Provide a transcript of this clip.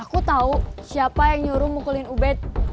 aku tahu siapa yang nyuruh mukulin ubed